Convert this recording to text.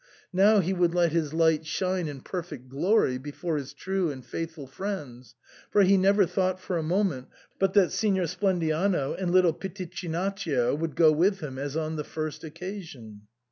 Now he would let his light shine in perfect glory before his true and faithful friends, for he never thought for a moment but that Signor Splendiano and little Piti chinaccio would go with him as on the first occasion.